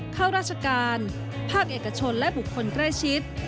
ข้าราชการภาคเอกชนและบุคคลใกล้ชิด